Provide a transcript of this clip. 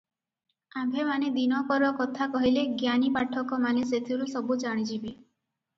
ଆମ୍ଭେମାନେ ଦିନକର କଥା କହିଲେ ଜ୍ଞାନୀ ପାଠକମାନେ ସେଥିରୁ ସବୁ ଜାଣିଯିବେ ।